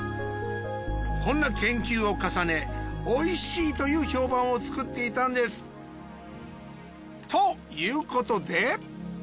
こんな研究を重ねおいしいという評判を作っていたんです。ということで。